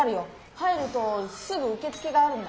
入るとすぐうけつけがあるんだ。